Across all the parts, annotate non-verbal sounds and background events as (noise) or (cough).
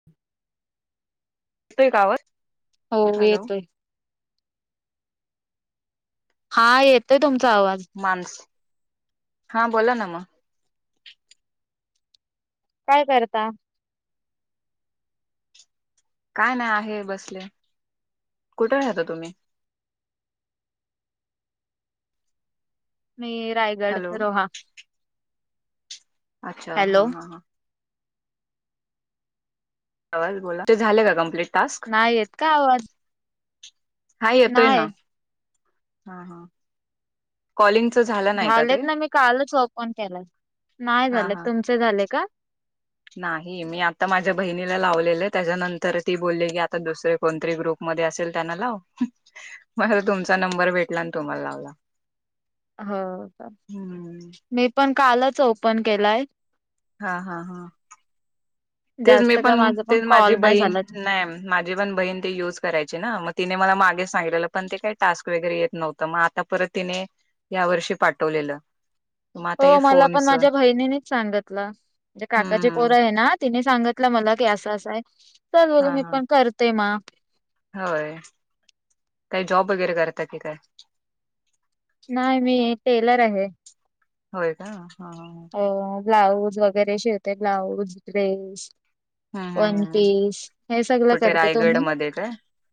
(inaudible) येतोय का आवाज? हो हॅलो येतोय. हा येतोय तुमचा आवाज. माणस, हा बोला ना मग. काय करता? काय नाही आहे बसले. कुठे राहता तुम्ही? मी रायगड हॅलो रोहा. अच्छा हा हॅलो हा हा. बोला. ते झालं का कम्प्लीट टास्क? नाही येत का आवाज? हा येतोय नाही ना. कॅलोईंग च झाल. झालेत ना मी कालच ऑप ऑन केला. नाही हा झालंत हा तुमचे झाले का? नाही. मी आता माझ्या बहिणीला लावलेलं, त्याच्यानंतर ती बोलली की आता दुसरे कोणतरी ग्रुप मध्ये असेल, त्यांना लाव. मला तुमचा नंबर भेटला आणि तुम्हाला लावला. हो. हम्म मी पण कालच ओपन केलाय. हा हा हा. तेच मी जास्त का पण, माझा तेच माझी कॉल नाही बहीण झालाच नाही. माझी पण बहीण ते युज करायची ना. मग तिने मला मागे सांगलेलं पण, ते काही टास्क वगैरे येत नव्हतं. तर मग आता परत तिने, या वर्षी पाठवलेलं. मग आता हो हे मला पण फोनच हम्म माझ्या बहिणीनीच सांगितलं, म्हणजे काकाचे हम्म पोरं आहे ना, तिने सांगितला मला की असं असंय. चल बघ हा मी हा पण करतेय म. होय. काही जॉब वगैरे करतात की काय? नाही, मी टेलर आहे. होय का ह. अ ब्लाऊज वगैरे शिवते ब्लाऊज, ड्रेस वन हम्म पीस हे सगळ कुठे करते. रायगड तुम्ही, मध्ये काय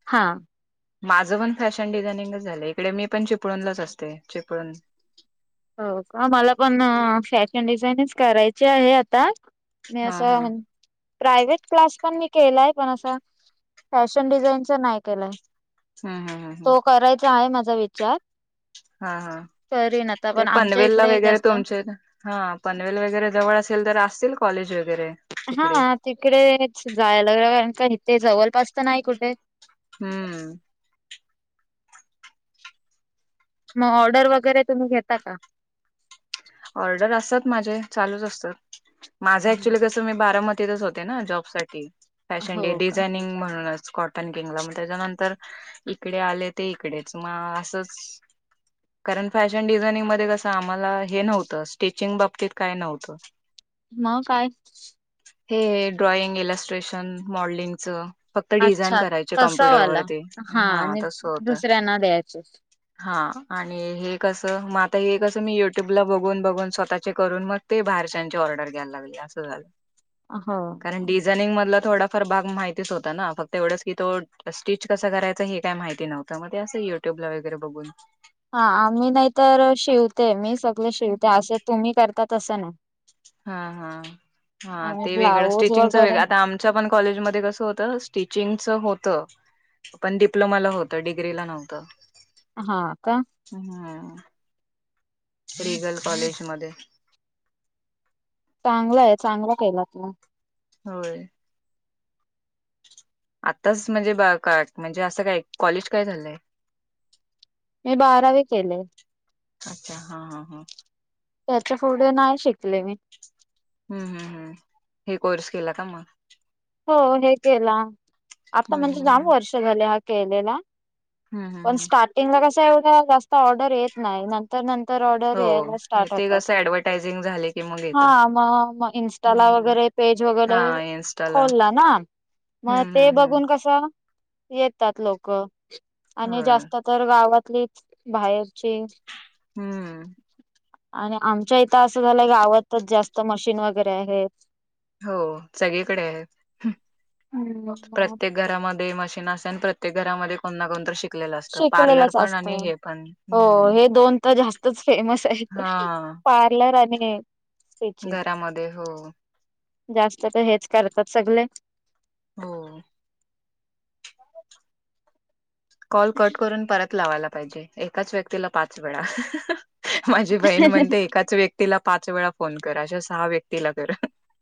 हा. माझं पण फॅशन डिझायनिंगच झालं. इकडे मी पण चिपळणलाच असते चिपळून. हो का, मला पण फॅशन डिझाईनिच करायची आहे आता. हा म्या हा सावन प्रायव्हेट क्लास पण मी केलाय पण असा. फॅशन डिझाईनचा नाही केलाय. हम्म हम्म हम्म हम्म तो करायचा आहे माझा विचार. हा हा, करीन आता ते पण आमच्या पनवेलला इकडे वगैरे जास्त तुमचे हा पनवेल वगैरे जवळ असेल तर असतील कॉलेज वगैरे. हा तिकडे तिकडेच जाय लागेल. कारण का इथे जवळपास तर नाही कुठे. हम्म मग ऑर्डर वगैरे तुम्ही घेता का? ऑर्डर असतात माझे चालूच असतात. माझ ऍक्च्युली कस तुम्ही बारामतीतच होते ना जॉब साठी. फॅशन डे हो का डिझानिंग म्हणूनच काॅट केंगला मग त्याच्यानंतर इकडे आले ते इकडेच. मग असच कारण, फॅशन डिझाइनिंग मध्ये कस आम्हाला हे नव्हत स्टिचिंग बाबतीत काय नव्हत. म काय हे ड्रॉइंग, इलस्ट्रेशन, मॉडलिंगच फक्त डिझाईन अच्छा करायची तसावाला कम्प्युटरवररती. हा आणि तस होत. दुसऱ्यांना द्यायचे हा आणि हे कस, मग आता हे कस मी युट्यूबला बघ बघून बघून स्वतःचे करून मग ते बाहेरच्यांचे ऑर्डर घ्यायला लागले अस झाल. आ ह कारण डिझायनिंग मधला थोडाफार भाग माहितीच होता ना. फक्त एवढच की तो स्टिच कस करायच हे काय माहिती नव्हत. मग ते अस युट्यूब ला वगैरे बघून हा आम्ही नाही तर शिवते. मी सगळे शिवते अस तुम्ही करता तस नाही. हा हा हा आम्ही ते वेगळ. ब्लाऊज स्टिचिंगच वगैरे वेगळ. आता आम् च्या पण कॉलेजमध्ये कस होत स्टिचिंगच होत. पण डिप्लोमाला होत. डिग्रीला नव्हत. हा का हम्म रिगल कॉलेज मध्ये चांगलाय, चांगल केलत मग. होय आत्ताच म्हणजे बा का म्हणजे अस काय कॉलेज काय झालय. मी बारावी केलय. अच्छा हा हा हा त्याच्यापुढे नाय शिकले मी. हम्म हम्म हम्म हे कोर्स केला का मग. हो हे केला. आता हम्म म्हणजे हम्म जाम हम्म वर्ष झाले हा केलेला. हम्म हम्म पण हम्म. स्टार्टिंगला कस, एवढ जास्त ऑर्डर येत नाय ना. तर नंतर ऑर्डर यायला हो स्टार्ट ते होतात. कसं ऍडव्हर्टायझिंग झाले की मग हा येतं म म इन्स्टाला हम्म वैगेरे पेज हा वगैरे इन्स्टाला खोलला ना. हम्म मग ते हम्म हम्म बघून कस येतात लोक. आणि होय जास्त तर गावातली बाहेरची हम्म आणि, आमच्या इथ अस झालय गावातच जास्त मशीन वगैरे आहेत. हो सगळीकडे आहेत. मग प्रत्येक घरामध्ये मशीन अस तेन प्रत्येक घरामध्ये कोण ना कोणतरी शिकलेलं असतं. पार्लर शिकलेलंच पण असत. आणि हे पण. हो हम्म. हे दोन तर जास्तच फेमस आहेत हा. पार्लर आणि हे घरामध्ये हो. जास्त तर हेच करतात सगले. हो. कॉल कट करून परत लावायला पाहिजे. एकाच व्यक्तीला पाच वेळा. हा हा हा! माझी बहीण म्हणते एकाच व्य क्तीला पाच वेळा फोन कर, अशा सहा व्यक्तीला कर.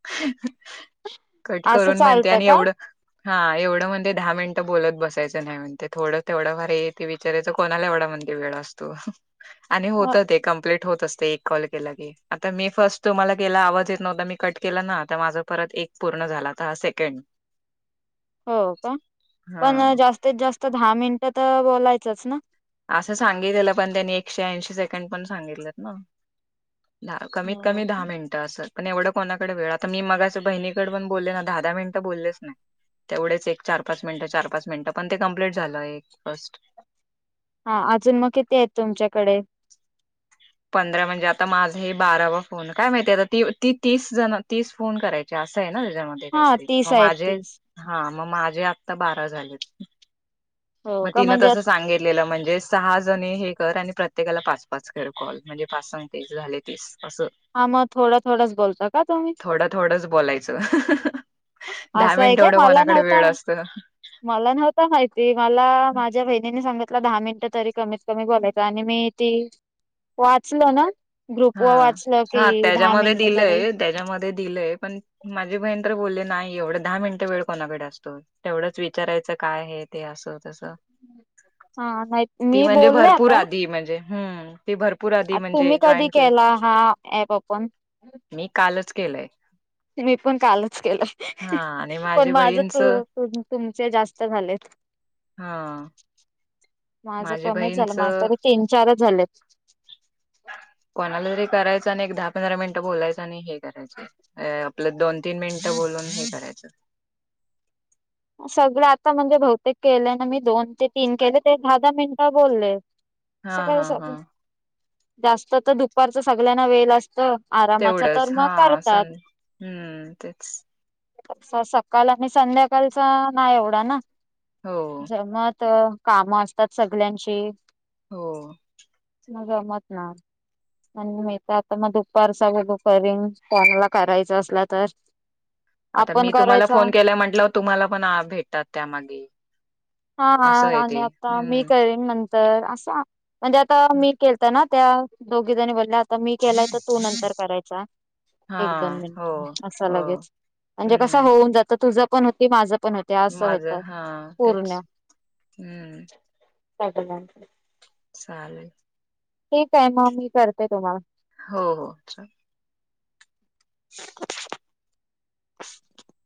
हे हे! कट असं करून म्हणते चालतं आणि का? एवढं, हा एवढं म्हणते दहा मिनिटं बोलत बसायचं नाही म्हण ते थोडं तेवडं भारी ते विचारायचं, कोणाला एवढा म्हणते वेळ असतो. आणि होतं ते. कम्प्लीट होत असते एक कॉल केला की. आता मी फर्स्ट तुम्हाला केला, आवाज येत नव्हता, मी कट केला ना. आता माझं परत एक पूर्ण झाला. आता हा सेकेंड. हो का? हा पण जास्तीत जास्त दहा मिनिटं तर बोलायचंच ना? असं सांगितलेलं. पण त्यांनी एकशे ऐंशी सेकंड पण सांगितलेत ना. ना. कमीत हो कमी दहा मिनिटं. असं. पण एवढं कोणाकडे वेळ? आता मी मघाशी बहिणीकडं पण बोलले ना, दहा-दहा मिनिटं बोललेच नाय. तेवढेच एक चार-पाच मिनटं, चार-पाच मिनटं, पण ते कंप्लीट झालं एक फर्स्ट हा. अजून मग किती आहेत तुमच्याकडे? पंधरा म्हणजे आता माझं हे बारावा फोन. काय माहिती आता ती-ती तीस जणं, तीस फोन कराय चे. असं आहे ना त्याच्यामध्ये हा काहीतरी. तीस मग आहेत माझे तीस हा. मग माझे आत्ता बारा झालेत. हो मग का तिनं म्हणजे तसं सांगीत लेलं. म्हणजे सहा जणी हे कर, आणि प्रत्येकाला पाच-पाच कर कॉल. म्हणजे पाच सक तीस झाले तीस. असं. हा मग थोडं थोडंच बोलता का तुम्ही? थोडं थोडंच बोलायचं. हं हं हं! दहा असं आहे मिनटं काय एवढं मला कोणाकडे नव्हता वेळ असतोना? मला नव्हतं माहिती. मला माझ्या बहिणीने सांगितलं, दहा मिनटं तरी कमीत कमी बोलायचं. आणि मी ती. वाचलं ना? ग्रुप हा वर वाचलं हा कि, दहा त्याच्यामध्ये मिनटं तरी दिलंय त्याच्यामध्ये दिलंय. पण माझी बहीण तर बोलली नाही एवढं दहा मिनिटं वेळ कोणाकडे असतो? तेवढंच विचारायचं काय, हे, ते, असं, तसं. हा नाही ती मी म्हणजे बोलले भरपूर आता आधी म्हणजे हम्म. ती भरपूर आधी आ म्हणजे तुम्ही कधी जॉईंट केला हा ऍप ओपन मी कालच केलंय. मी पण कालच केलंय. हा आणि पण माझी माझं बहीणच तु-तुमचे जास्त झालेत. हा. माझं माझी कमीच झालं. बहीणच माझं तरी तीन-चारच झालेत. कोणाला तरी करायचं, आणि एक दहा-पंधरा मिनिटं बोलायचं आणि हे करायचं हे आपलं दोन-तीन मिनिटं बोलून हे करायचं. सगळं आता म्हणजे बहुतेक केलेय ना मी, दोन ते तीन केले ते दहा-दहा मिनिटं बोलले. (inaudible) सकाळीच ए हा अजून, जास्त तर दुपारचं सगळ्यांना वेळ असतं तेवढंच हा सं हम्म तेचं सा सकाल आणि संध्याकालचा नाय एवढा ना. हो जमत कामं असतात सगल्यांचे हो. मग जमत ना. आणि मी त आता मग दुपारचा बघू करीन कोणाला करायचं असला तर. आता आपण मी तुम्हाला करायचा फोन केलाय म्हंटलाव तुम्हाला पण आ भेटतात त्यामागे हा असं आहे आणि ते आता मी हम्म करेन नंतर असं आ म्हणजे आता मी केलता ना. त्या दोघी जनी बोलल्या आता मी केलाय तर तू नंतर करायचा. हा एक दोन हो मिनट असं हो लगेच म्हणजे कस हम्म होऊन जातं तुझ पण होती माझं पुन्हा ते असं माझ होतं हा पूर्ण. तेच हम्म. (unintelligible) (inaudible) चालेल. ठीक हाय मग मी करते तुम्हाला. हो हो चा (inaudible)